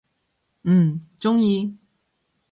嗯，中意！